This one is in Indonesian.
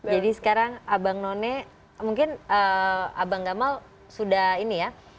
jadi sekarang abang none mungkin abang gamal sudah ini ya